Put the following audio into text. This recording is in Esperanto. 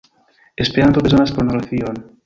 Esperanto bezonas pornografion